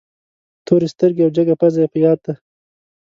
تورې سترګې او جګه پزه یې په یاد دي.